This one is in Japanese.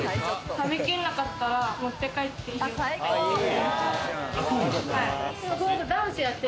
食べ切んなかったら持って帰っていいよって。